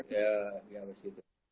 ya abis itu